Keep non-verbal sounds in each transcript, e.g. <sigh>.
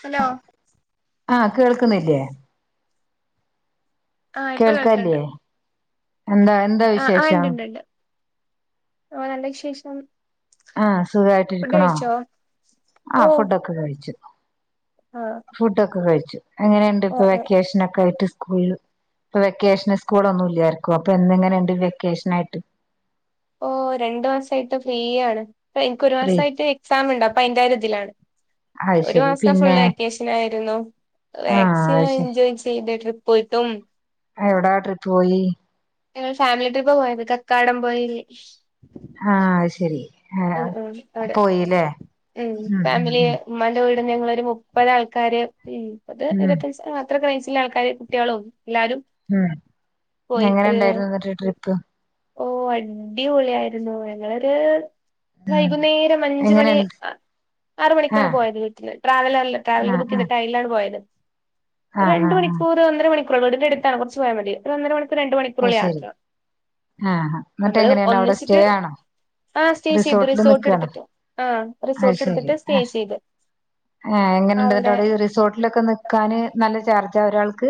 Hello ആഹ് കേൾക്കുന്നില്ലേ ആഹ് ഇപ്പൊ കേൾക്കണ്ട് കേൾക്കല്ലേ എന്താ എന്താ വിശേഷം ഓ നല്ല വിശേഷം ആ ഫുഡ് സുഖായിട്ടിരിക്കണോ കഴിച്ചോ ആഹ് ഓഹ് ഫുഡ്‌ ഒക്കെ കഴിച്ചു ആഹ് ഫുഡ്‌ ഒക്കെ കഴിച്ചു എങ്ങനെയുണ്ട് ഓഹ് ഇപ്പൊ ഓഹ് വെക്കേഷന് ഒക്കെ ആയിട്ട് വെക്കേഷന് സ്കൂൾ ഇല്ല ആർക്കും എന്ന് ങ്ങനെ ഇണ്ട് വെക്കേഷന് ഒക്കെ ആയിട്ട് ഓ രണ്ട് മാസായിട്ട് ഫ്രീ ആണ് എനിക്ക് ഒരു ഫ്രീ മാസയിട്ട് എക്സാംമിണ്ട് അതിന്റെ ഒരുത്തിലാണ് അത് ഒരു ശരി മാസം ഫുൾ പിന്നെ വെക്കേഷൻ ആയിരുന്നു ആഹ് അത് മാക്സിമം ശരി എൻജോയ് ചെയ്തു ട്രി പോയിട്ടും എവിടാ ട്രിപ്പ്‌ പോയി ഫാമിലി ട്രിപ്പപോയത് കക്കാടംപൊയിൽ ആ അയ് ശെരി ആ ആഹ് അവിടെ പോയില്ലേ ഉം ഫാമിലി ഉമ്മാന്റെ കൂ വീടിന്നു ഒരു മുപ്പത് ആൾക്കാര് മുപ്പത് ഉം ഉം ഇരുപത്തഞ്ചു അത്രയൊക്കെ റേഞ്ച് വീട്ടിലെ ആൾക്കാരും കുട്ടിആളും മ് എങ്ങനെ ഒരു ഇണ്ടായിരുന്നു എന്നിട്ട് ട്രിപ്പ്‌ ഓ അടിപൊളി ആയിരുന്നു ഞങ്ങളൊരു ഉം വൈകുന്നേരം അഞ്ചുമണി എങ്ങനെണ്ട് ആറുമാണിക്കാണ് ആഹ് പോയത് വീട്ടുന്ന ട്രാവല്ലെർ ആഹ് ബുക്ക്‌ ആഹ് ചെയ്തിട്ട് അതിലാണ് പോയാത് ആഹ് രണ്ട് ആഹ് ആഹ് മണിക്കൂർ ഒന്നര മണിക്കൂർ വീടിന്റെ അടുത്താണ് കൊറച് പോയമതി ഒരു ഒന്നരമണിക്കൂർ രണ്ട് മണിക്കൂർ അത് ശരി യാത്രാ ആഹ് എന്നിട്ട് നമ്മൾ എങ്ങനെയാണ് അവിടെ സ്റ്റേ ഒന്നിച്ചിട്ട് ആണോ ആ സ്റ്റേ ചെയ്തു റിസോർട്ട് എടുത്തിട്ട് അയ് റിസോർട്ട് ശെരി എടുത്തിട്ട് സ്റ്റേ ഏഹ് ചെയ്ത് എങ്ങനെ ഉണ്ട് അവിടെ റിസോർട്ടിലൊക്കെ നിക്കാന് നല്ല ചാർജ് ആ ഒരാൾക്ക്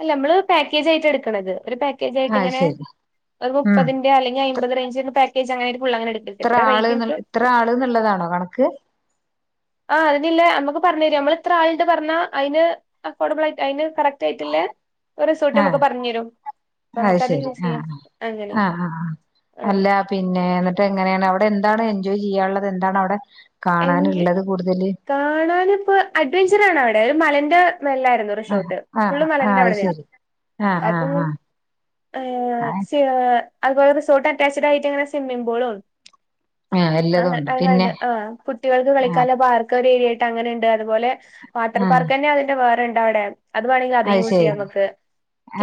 അല്ല നമ്മൾ പാക്കേജ് ആയിട്ടാണ് എടുക്കുന്നത് ഒരു പാക്കേജ് അത് ആയിട്ടിങ്ങനെ ശരി ഒരു ഉം മുപ്പത്തിന്റെ അല്ലെങ്കിൽ അയ്ബത് റേഞ്ച് പാകേജ് ക്കേജ് അങ്ങനെട് ഇത്രആള് എന്നുള്ളതാണോ കണക്ക് പറഞ്ഞുതരുംനമ്മൾ ഇത്ര ആള് ഇണ്ട് പറഞ്ഞ അയിന് അഫോർഡബിൾ ആയിട്ട് അയിന് കറക്റ്റ് ആയിട്ടില്ലേ റിസോർട്ട് ആ നമുക്ക് പറഞ്ഞു തരും അപ്പൊ അയ് നമുക്കത് ശരി ചൂസ് ആ ചെയ്യാം അങ്ങനെ ആ ആ ആഹ് അല്ല പിന്നെ ഇന്നിട്ട് എങ്ങനെയാണ് അവി എന്താണ് എൻജോയ് ചെയ്യാനുള്ളത് എന്താണ് അവിടെ എന്ത് കാണാനുള്ളത് കൂടുതല് കാണാനിപ്പോ അഡ്വഞ്ചർ ആണോ അവിടെ അയ് മലന്റെ നല്ലയായിരിന്നു ആഹ് റിസോർട്ട് ആഹ് ഫുൾ ആഹ് മലന്റെ അത് അവിടെ ആയിരിന്നു ശരി ആഹ് അപ്പം ആഹ് എയ് ആഹ് ഏ <unintelligible> അതുപോലെ റിസോർട്ട് അറ്റാച്ഡ് ആയിട്ട് ഇങ്ങനെ സ്വിമ്മിംഗ് പൂളും എല്ലാതും അങ്ങ ഇണ്ട് പിന്നെ അങ്ങണ്ട് ആഹ് കുട്ടികൾക്ക് കളിക്കാൻ ആഹ് ഉള്ള പാർക്ക്‌ ക്ക് ഏരിയ ആയിട്ട് അങ്ങനെ ഇണ്ട് അതുപോലെ വാട്ടർ ആഹ് പാർക്ക്‌ അതിന്റെ വേറെ ഇ ണ്ടവിടെ അത്‌ വേണേൽ അത്‌ അത് യൂസ് ശരി ചെയ്യ നമുക്ക്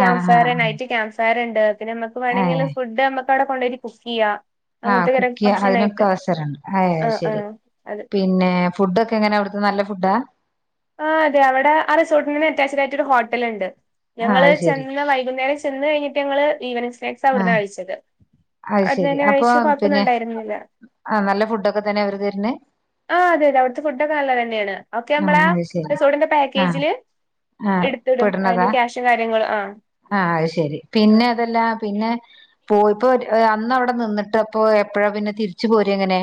ക്യാമ്പ് ഫയർ ആഹ് നൈറ്റ്‌ ക്യാമ്പ് ഫയർ പിന്നെ നമുക്ക് ആഹ് വേണേൽ ഫുഡ്‌ നമു ക്കവിടെ കൊണ്ട് പോയിട്ട് കുക്ക് ചെയ്യാ ആ കുക്ക് ചെയ്യാൻ അതിനൊക്കെ അവസരം ഇണ്ട് ഏഹ് ആ ആ അയ്ശരി. അത് പിന്നെ ഫുഡൊക്കെ എങ്ങനെ അവിടെത്തെ നല്ല ഫുഡ്ഡ? ആ അതേ അവിടെ ആ റിസോർട്ടിന് അറ്റാച്ച്ടായിട്ടൊരു ഹോട്ടൽ ഇണ്ട്. ആഹ് ഞങ്ങൾ അത് ശരി ചെന്ന വൈകുന്നേരം ചെന്ന് കഴിഞ്ഞിട്ടു ഞങ്ങൾ ഈവനിംഗ് സ്നാക്ക്സ് അവിടെന്ന ആഹ് കഴിച്ചത്. അത് ശരി അതിന് അപ്പൊ കഴിച്ച് കൊഴപ്പം ഒന്നും പിന്നെ ഇണ്ടായിരിന്നില്ല. ആഹ് നല്ല ഫുഡൊക്കെ തന്നെ അവര് തരുന്നെ ആ അതേ അതേ അവിടെത്തെ ഫുഡ്‌ ഒക്കെ നല്ലതന്നെയാണ്. ഓക്കേ അമ്മളാ ആ ആ ഇപ്പൊ എടുത്തിടും അതിന്റെ ഇടണതാ ക്യാഷും കാര്യങ്ങളും ആ ആ അയ്ഷരി ആ പിന്നെ അതല്ല പിന്നെ പോയീ ഇപ്പ ഒര് അന്ന് അവിടെ നിന്നിട്ട് അപ്പോ എപ്പഴാ പിന്നെ തിരിച്ചു പോരാ ഇങ്ങനെ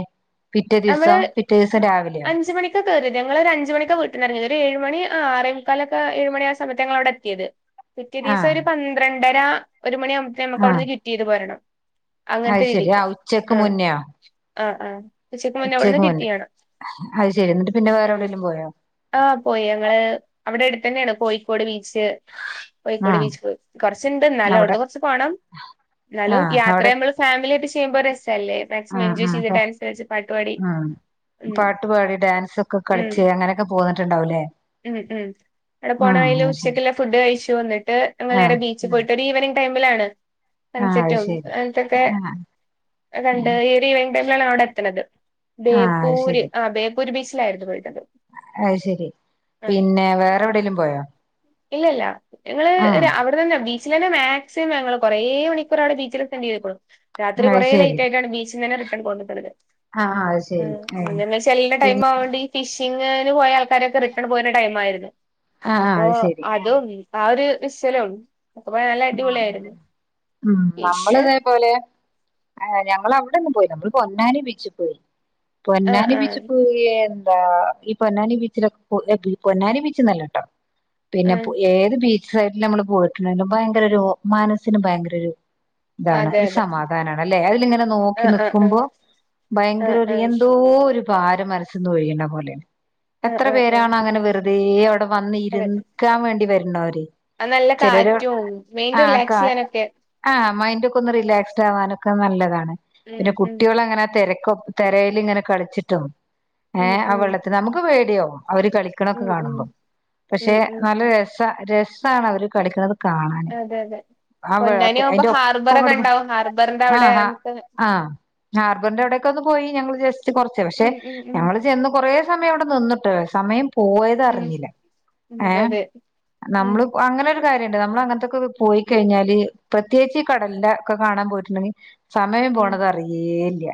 പിറ്റേ ദിവസം പിറ്റേ ദിവസം രാ അഞ്ചു മണിക്കാ കേറാ ഞങ്ങള് ഒരു അഞ്ചു മണിക്കാ വീട്ട്ന്ന് എറങ്ങിയത് ഒരു ഏഴ് മണി ആ ആറെമുക്കാല് ഒക്കെ ഏഴ് മണി ആ സമയത്ത് ഞങ്ങളവിടെ എത്തിയത്. പിറ്റേ ദിവസം ആഹ് ഒരു പന്ത്രണ്ട് അന്നേരാ ഒരു മണി ആവുമ്പോത്തെനും നമ്മക്ക് ആഹ് അവിടുന്ന് ക്വിറ്റ് ചെയ്ത് പോരണം അത് അങ്ങനെത്തെ ശരി രീതിക്ക് ആഹ് ഉച്ചക്ക് ആ മുന്നെയോ ആ ആ ഉച്ചക്ക് മുന്നെ ഇവുട്ന്ന് ക്വിറ്റ് ചെയ്യണം അയ്ഷെരി എന്നിട്ട് പിന്നെ വേറെ ഉം എവിടേലും പോയോ ആഹ് പോയി ഞങ്ങള് അവിടെ അടുത്തന്നെ ആണ് കോയിക്കോട് ബീച്ച് കോയിക്കോട് ആഹ് ബീച്ചിക്ക് പോയീ കൊറച്ചിണ്ട് ന്നാലും അവിടെ അവിടുന്ന് കൊറച്ച് പോണം ന്നാലും ആഹ് യാത്ര അവിടെ ഞമ്മള് ഫാമിലി ആയി ഇഷ് ചെയ്യുമ്പോ രെസ് സല്ലേ മാക്സിമം ആഹ് എൻജോയ് ആഹ് ചെയ്ത് പെ ഡാൻസ് കളിച്ച് പാട്ട് പാടി ഉം ഉം പാട്ട് പാടി ഡാൻസൊക്കെ കളിച്ച് അങ്ങനൊക്കെ പോവ ണ്ടാവുവല്ലേ മം മം അടെ പോണവഴീലെ ശരി ഉച്ചയ്ക്കുളള ഫുഡ് കഴിച് ട്ട് വന്നിട്ട് ട്ട് എട്ടുമണി വരെ ആഹ് ബീച്ചി പോയിട്ട് ഒരീവനിങ് <unintelligible> ആഹ് അത് ശരി ആഹ് <unintelligible> ഴിഞ്ഞാണവിടെത്തണത് ആഹ് ബേപ്പൂര് ആ ബേപ്പൂര് ബീച്ച് <unintelligible> അതുശരി പിന്നെ വേറെവിടേലും പോയോ ഇല്ലില്ല ഞങ്ങള് ആഹ് രാ അവിടെ നിന്നാ ബീച് <unintelligible> മാക്സിമം ഞങ്ങള് കൊറേ മണിക്കൂർ അവിടെ ബീച്ചില് സ്പെൻഡ്‌ രാത്രി അത് കൊറേ ശരി ലേറ്റായിട്ടാണ് ബീച് <unintelligible> അങ്ങനെ ആഹ് അത് ശരി ഏഹ് <unintelligible> പിന്നെ പിന്നയിനു പോയ ആൾക്കാരൊക്കെ റിട്ടേൺ പോരിന്ന ടൈം ആയിരുന്നു ആആ അപ്പൊ അയ്ശരി അതും ആ ഒര് <unintelligible> മം പിന്നെ നമ്മളിതേപോലെ ആ ഞങ്ങളവിടെങ്ങും പോയില്ല നമ്മള് പൊന്നാനി ബീച്ചി പോയിരുന്നു ആഹ് പൊന്നനി ബീച്ചി ആഹ് പോയാരുന്നു ആ ഈ പൊന്നനി ബീച്ചിലൊക്കെ <unintelligible> ഈ പൊന്നാനി ബീച്ച് നല്ലാട്ടൊ പിന്നെ ആഹ് പോയ് ഏതു ബീച് ഫ്ലൈറ്റില് നമ്മള് പോയിട്ടുണ്ട് മനസ്സിന് ഭയങ്കര ഒരു ഇതാണ് അതെ ഒരു അതെ സമാധാനാണ് അല്ലെ അതിലിങ്ങനെ നോക്കി ആഹ് ആഹ് നിക്കുമ്പോ ആഹ് ഭയങ്കര ആഹ് ഒരു എന്തോരു ഭാരം മനസ്സിന്നൊഴിയണ പോലെ ആഹ് എത്ര ആഹ് ആഹ് പേരാണ് അങ്ങനെ വെറുതെ അവിടെ അതെ വന്നിരുക്കാൻ വേണ്ടി വരു നാര് അത് നല്ല കാറ്റു ആ കാ ആ മൈൻഡ് ഒക്കെ ഒന്ന് റീലാക്സ്‌ഡ് ആകാൻ അനക് നല്ലതാണ് ഉം പിന്നെ ഉം കുട്ടികൾ അങ്ങനെ തിരക്കും തിരയിലിങ്ങനെ കളിച്ചിട്ടും ങേ ഉം ആ ഉം വെള്ളത്തിലു നമുക്ക് പേടിയാകും അവര് കളിക്കണ ഒക്കെ ഉം ഉം കാണുമ്പോ പക്ഷെ ഉം ഉം നല്ല രസാ രസാണ് അവര് കളിക്കണ് കാണാൻ അതെ പൊന്നാനി ആകുമ്പോ ഹാർബറൊക്കെ കെടന്ന് ഒണ്ടാകും ഹാർബറിന്റെ അവിടെ ആഹ് ആഹ് നമ്മക്ക് ആഹ് ഹാർബറിന്റെ അവിടെയൊക്കെ ഒന്ന് പോയി ഞങ്ങൾ വിചാര് കുറച്ച് പക്ഷെ ഞങ്ങൾ ചെയ്യുന്നേ കുറെ സമയം ഇവിടെ നിന്നിട്ട് സമയം ഉം പോയതറിഞ്ഞില്ല ഉം ങേ അതെ ഉം നമ്മൾ അങ്ങനെയൊരു ന്നെ കാര്യയൊണ്ട് നമ്മൾ അങ്ങനായത്തെ ഒക്കെ ഉം പൊയ്ക്കഴിഞ്ഞല് പ്രത്യേകിച്ച് ഈ കടലിന്റെയൊക്കെ കാണാൻ പോയിട്ടുണ്ടെങ്കിൽ സമയം ഉം പോണത് അറിയേ ഇല്ല ഇല്ലാ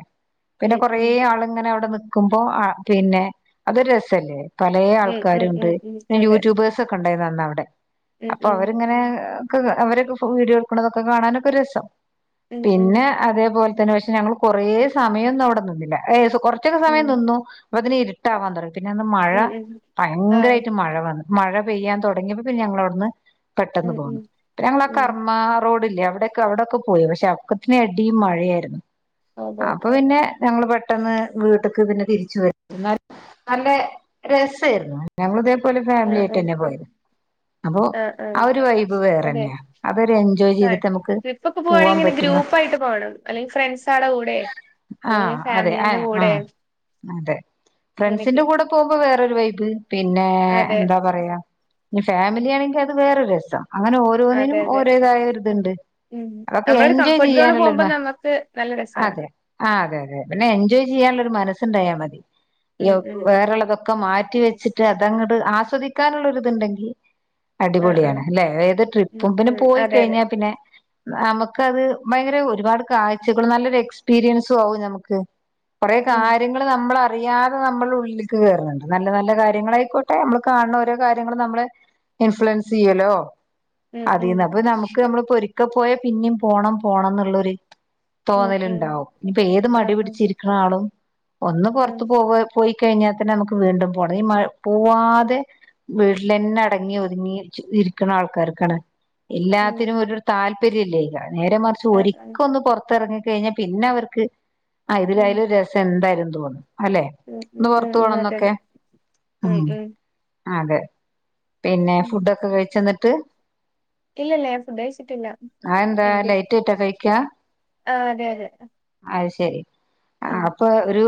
പിന്നെ ഉം കുറെ ആൾ ഇങ്ങനെ അവിടെ നിക്ക് കുമ്പോ പിന്നെ അതൊരു രസാ അല്ലെ പലയെ ഉം ഉം ഉം ആള്ക്കാര്ണ്ട് ഉം ഉം പിന്നെ അതെ യൂടുബേർസ് ഏതാനവിടെ ഉം അപ്പൊ ഉം അവരിങ്ങനെ അവരൊക്കെ വീഡിയോ എടുക്കുന്നത് കാണാനൊക്കെ രസം ഉം ഉം പിന്നെ അതേപോലെ പക്ഷെ ഞങ്ങൾ കുറെ സമയമൊന്നും അവിടെ നിന്നില്ല കുറച്ച് ഉം സമയം നിന്നും അതിനു ഇരുട്ടാ പന്ത്രണ്ട് പിന്നെ ഒന്ന് മഴ ഉം ഉം ആഹ് ഭയങ്കരമായിട്ട മഴ വന്ന് മഴ പെയ്യാൻ തുടങ്ങിയപ്പോ പിന്നെ ഞങ്ങൾ അവിടുന്ന് പെട്ടന്ന് ഉം പൊന്ന് ഉം ഞങ്ങളാ ഉം കർമ റോഡില്ലേ ക്കെ അവടെക്കെ പോയി അപ്പത്തിന് ഇടീം മായേര്ന്നു അതെ അപ്പ പിന്നെ ഞങ്ങള് പെട്ടന്ന് വീട്ട്ക്ക് പിന്നെ തിരിച്ച് <unintelligible> എന്നാലും നല്ലെ രസേയ്രുന്നു ഞങ്ങള് ദേ <unintelligible> ഫാമിലി അതെ ആയിട്ടെന്നെ പോയത് അപ്പൊ ആഹ് ആഹ് ആഹ് ആ ആഹ് ഒരു വൈബ് വേറേ അതെ ന്നെയാ അതൊരു എൻജോയ് ആഹ് ചെയ്തിട്ട് നമ്മക്ക് ട്രിപ്പൊക്കെ പോവാണെങ്കി പോവാൻ ഇങ്ങനെ പറ്റും. ഗ്രൂപ്പായിട്ട് പോണം അല്ലെങ്കിൽ ഫ്രണ്ട്സാടെ കൂടെ ആ അല്ലെങ്കിൽ അതെ ആ ഫാമിലിന്റെ ആ കൂടെ അതെ ഫ്രണ്ട്സിന്റെ അങ്ങനെയൊക്കെ കൂടെ പോകുമ്പോ വേറൊരു വൈ <unintelligible> പിന്നേ അതെ എന്താ പറയാ ഇഞ്ഞി ഫാമിലി ആണെങ്കി അത് വേറൊരു രസം അങ്ങനൊ അതെ ഓരോന്നിനും അതെ ഓരേ തായൊരുതിണ്ട് ഉം അതൊക്കെ നമ്മളൊരു എൻജോയ് കംഫർട്ട് സോണ് ചെയ്യാനുള്ളൊരു പോകുമ്പോ മ നമുക്ക് നല്ല രസാണ് അതെ ആഹ് അതെ അതെ പിന്നെ എൻജോയ് ചെയ്യാനുള്ളൊരു മനസ് സിണ്ടായ മതി. ഉം യോ ഉം ഉം വേറെള്ളതൊക്കെ മാറ്റിവെച്ചിട്ട് അതങ്ങട് ആസ്വദിക്കാനുള്ള ഒരിതണ്ടെങ്കി ആഹ് അടിപൊളിയാണ് ആഹ് ല്ലേ ഏത് ട്രി ഉം പ്പിന് ഉം അതെ അതെ പോയ്കഴിഞ്ഞാ പിന്നെ നമക്കത് ഭയങ്കര ഒരുപാട് കാഴ്ച്ചകളും നല്ലൊരു എക്സ്പീരിയൻസും ആവും നമക്ക് ഉം കൊറേകാര്യങ്ങള് നമ്മള അറിയാതെ നമ്മളെ ഉള്ളിൽക്ക് കേറ്ണ്ണ്ട്. നല്ലനല്ല കാര്യങ്ങളായിക്കോട്ടെ നമ്മള് കാണുന്ന ഓരോ കാര്യങ്ങളും നമ്മളെ ഇൻഫ്ലുഎൻസ് ചീയോലോ ഉം ഉം അതീന്ന് നമക്ക് നമ്മളെ <unintelligible> പോയാ പിന്നീം പോണം പോണം ന്ന്ള്ളോര് ഉം ഉം തോന്നല്ണ്ടാവും ഞ്ഞിപ്പ ഏത് ആഹ് ആഹ് മടിപിടിച്ചിരിക്ക്ണ ആളും ഒന്ന്‌ ആഹ് പൊർത്ത് പോയാ <unintelligible> ത്ത്ക്കറങ്ങി. ഉം എല്ലാത്തിനും <unintelligible> ശെരില്ലേ നേരെ മറിച്ച് ആഹ് ആഹ് ഒരിക്കൊന്ന് പൊർത്തറങ്ങി. കയ്ഞ്ഞാ പിന്നവർക്ക് ഉം <unintelligible> അലെ ഉം ഒന്ന്‌ ഉം ഉം പൊർത്ത് ഉം അതെ പോണന്നൊക്കെ അതെ ഉം ഉം അതെ പിന്നെ ഉം ഫുഡൊക്കെ കഴിച്ചെന്നിട്ട് ഇല്ലല്ല ഞാൻ ഫുഡയ്ച്ച്ട്ട്ല്ല അതെന്താ എന്ത് ലൈറ്റ് ആയിട്ടാ കഴിക്കാ ആ അതെ അതെ ശെരി ആ ഉം അപ്പൊ ഒരു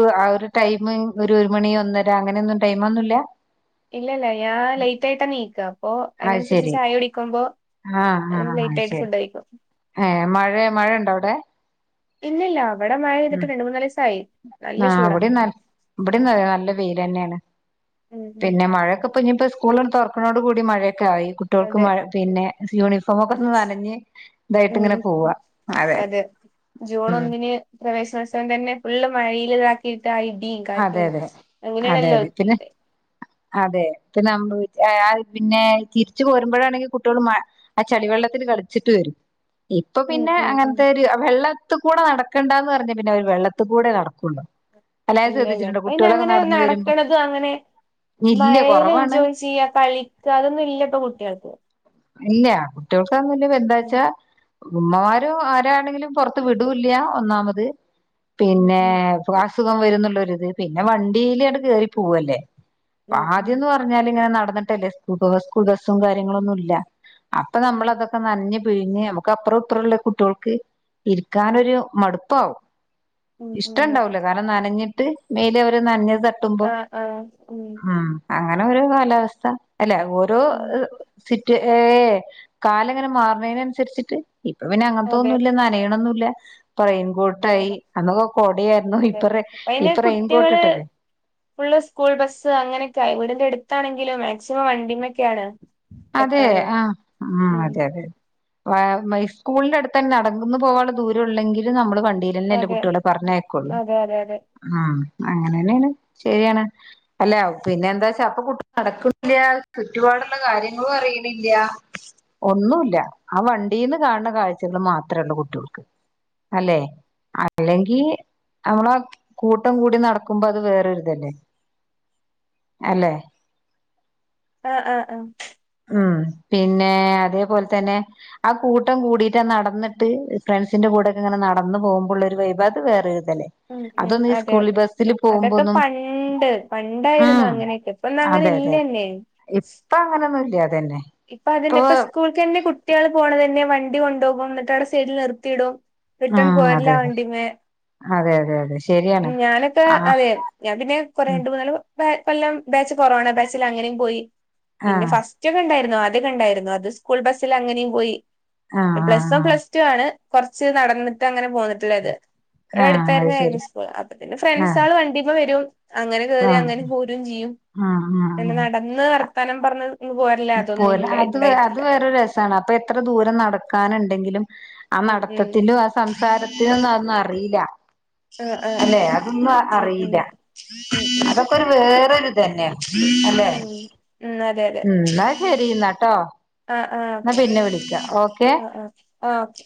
ടൈമ് ഒരു ഒരു മണി ഒന്നര അങ്ങനെ ഒന്നും ടൈം ഒന്നുമല്ല ഇല്ലല്ല ഞാൻ ലേറ്റ് ആയിട്ട എണീക്കുക അപ്പൊ അത് അതിനനുസരിച്ച് ശരി ചായ കുടിക്കുമ്പോ ആ അ ആ ആ ലേറ്റ് ആയിട്ട് ശരി ഫുഡ് കഴിക്കും ഏ മഴ മഴ ഇണ്ടോ അവിടെ ഇല്ല ഇല്ല ആ ചൂടാ ഇവിടെ നല്ല വെയിൽ തന്നെയാണ് ഉം ഉം പിന്നെ മഴയൊക്കെ ഇനീപ്പൊ സ്കുള് തോറക്കണോടു കൂടി മഴ - കുട്ടികൾക് അതെ മഴ പിന്നെ യൂണിഫോമൊക്കെ ഒന്ന് നനഞ്ഞ് ഇതായിട്ട് ഉം ഇങ്ങനെ പോവാ അതെ ജൂൺ ഒന്നിന് <unintelligible> തന്നെ ഫുള് മഴയിലിതാക്കി ഇടിയും അതെ കാറ്റും അതെ അതെ അങ്ങനെയണല്ലോ അതെ പിന്നെ അതെ പിന്നെ തിരിച്ച് പോരുമ്പോഴാണെങ്കിൽ കുട്ടികൾ ആ ചളിവെള്ളത്തിൽ കളിച്ചിട്ട് വരും ഇപ്പൊ ഉം പിന്നെ ഉം ഉം അങ്ങനത്തെ ഒരു വെള്ള വെള്ളത്തികൂടെ നടക്കണ്ടന്ന് പറഞ്ഞാൽ പിന്നെ അവര് വെള്ളത്തി കൂടെ നടക്കുള്ളൂ അല്ലാതെ ഇല്ല ഇല്ല ശ്രദ്ധിച്ചിട്ടുണ്ടോ അപ്പ ഇനി കുട്ടികളൊക്കെ അങ്ങനെ നടന്നു വരുമ്പോ നടക്കണത് അങ്ങനെ ഇല്ല മഴൽ കുറവാണ് എൻജോയ് ചെയ്യാ കളിക്കുക അതൊന്നും ഇല്ല ഇപ്പൊ കുട്ടികൾക്ക് ഇല്ല കുട്ടിയോള് - എന്താന്നു ഉം വച്ചാൽ - ഉമ്മമാരും ആരാണെങ്കിലും പുറത്ത് വിടൂല്ല ഒന്നാമത് ഉം ഉം പിന്നെ- അസുഖം വരരുന്നുള്ളൊരിത് പിന്നെ വണ്ടിൽ ഉണ്ട് കയറി പോവല്ലേ ഉം ഉം ആദ്യംന്ന് പറഞ്ഞാൽ ഇങ്ങനെ നട- എന്നിട്ടല്ലേ സ്കൂൾബസ് - ബസും കാര്യങ്ങളൊന്നും ഇല്ല അപ്പൊ ഉം നമ്മൾ അതൊക്കെ നനഞ് - പിഴിഞ്ഞ് നമുക്ക് അപ്പറം ഇപ്പുറം ഉള്ള കുട്ടികൾക്ക് ഇരിക്കാനൊരു മടുപ്പാവും ഉം ഉം ഉം അതെ ഇഷ്ടുണ്ടാവൂല കാരണം നനഞ്ഞി- മേല് അവര് നനഞ്ഞ- ആഹ് ആഹ് ഉം <unintelligible> അങ്ങനെ ഒരു കാലാവസ്ഥ അല്ലെ ഓരോ ഉം ഏഹ്. കാലങ്ങനെ മാറണേനന്സരിച്ചിട്ട് ഇപ്പൊ പിന്നെ അങ്ങനത്തതൊന്നുല്ല. നനയണൊന്നുല്ല. ടൈമ് ഇല്ല അതെ ഇപ്പൊ റെയി പ്പ അയ്ന് ഇപ്പൊ റെയിൻകോട്ട് കുട്ടികള് ഇട്ടല്ലേ ഫുള്ള് സ്കൂൾ ബസ്സ് അങ്ങനെക്കെ ആയി വ്ട് ട് എട്ത്താണെങ്കിലും മാക്സിമം വണ്ടീമ്മെക്കാണ് അതേ ആ ആ അതെയതെ വാ മൈ സ്കൂൾന്റട്ത്തന്നെ നടന്ന് പോവാൻള്ള ദൂരാെള്ളെങ്കിലും നമ്മള് വൺ വർന്നെല്ല അതെ കുട്ട്യോളെ പറഞ്ഞയക്കാെള്ളു അതെ അതെ അതെ ആ അങ്ങനെന്നേണ് ശെരിയാണ് അല്ല പിന്നെന്താച്ചാ അപ്പൊ കുട്ട് നടക്കുംയാ ചുറ്റുപാട്ള്ള കാര്യ ങ്ങളും അറീണില്ല ഒന്നൂല്ല ആ വണ്ടീന്ന് കാൺണ കാഴ്ചകള് മാത്രേള്ളു കുട്ട്യോൾക്ക് അല്ലേ അല്ലെങ്കീ അമ്മളെ കൂട്ടം കൂടി നടക്കുമ്പോ അത് വേറൊര്തലേ അല്ലെ? ആ ആ ആ ഉം പിന്നേ അതേപോൽ തന്നെ ആ കൂട്ടം കൂടീട്ടാ നടന്ന്ട്ട് ഫ്രണ്ട്സിന്റെ കൂടെക്കെങ്ങനെ നടന്ന് പോവ്മ്പൊള്ളൊരു വൈബ് അത് വേറെ ഉം ഉം അതെയതെ അതൊക്കെ പോകുമ്പോന്നും പണ്ട് പണ്ടായ്രുന്നു ഉം അങ്ങനെയൊക്കെ ഇപ്പൊന്നു അങ്ങനെ അതെ അതെ ഇല്ലെന്നെ ഇപ്പൊ അങ്ങനൊന്നും ഇല്ല അതന്നെ ഇപ്പൊ അതന്നെ ഇപ്പൊ സ്കൂൾക്കന്നെ കുട്ട്യേള് പോണതന്നെ വൺ ണ്ടി കൊണ്ടോകും ന്നിട്ടാടെ സൈഡിൽ നിർത്തിയിടും റിട്ടൺ ഉം അതെ പോരലാ അതെ വണ്ടിമ്മെ അതെ അതെ അതെ ശരിയാണ് ഞാനൊക്കെ ആ അതെ ഞാൻ പിന്നെ കൊറേ ഉം രണ്ട് മൂന്നാല് പ്പ ഇപ്പെല്ലം ബാച്ച് കൊറോണ ബാച്ചിലങ്ങനേം പോയ് ആ പിന്നെ ഫസ്റ്റ്ക്ണ്ടായി പിന്നെ ആദ്യൊക്കെണ്ടായ്ര്ന്നു അത് സ്കൂൾ ബസ്സിലങ്ങനേം പോയി ആ ആ പ്ലസ് വൺ പ്ലസ് ടു ആ കൊറച്ച് നടന്നിട്ടങ്ങനെ പോന്നിട്ട്ള്ള ഇത്. ആ ആ അത് ഇവടട്ത്തായിര്ന്നായിര്ന്ന് ശരി സ്കൂള്. അപ്പൊപ്പിന്നെ ആ ഫ്രണ്ട്സാള് വണ്ടിമ്മെ വരും. അങ്ങനെ കേറി ആഹ് അങ്ങനെ പോരൂം ചെയ്യും. ആഹ് പിന്നെ നടന്ന് വർ ത്താനം പറഞ്ഞത് <unintelligible> പോര ഇ പ്പോരാ. അത് വേ അത് വേറൊരു രസാണ്. അപ്പൊ എത്ര ദൂരം നട കാന്ണ്ടെങ്കിലും. ആ ഉം ഉം നടത്തത്തിന്റെതും ആ സം സാരത്തിലൊന്നു അ ഒന്നും അറീല്ല. ആഹ് ആഹ് അല്ലെ? ആഹ് അതൊന്നു ഉം ഉം അറീല്ല. ഉം ഉം അതൊക്കെരു വേറൊരു ഇതന്നേണ്. അല്ലെ? ഉം ഉം ന്നാ സെരി ഇന്നാട്ടോ. അ ആ ഓക്കെ. അ അ. ആ ഓക്കെ